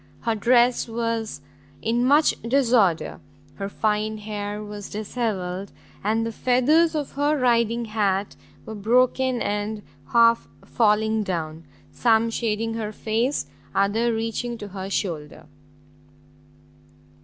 Her dress was in much disorder, her fine hair was dishevelled, and the feathers of her riding hat were broken and half falling down, some shading her face, others reaching to her shoulder.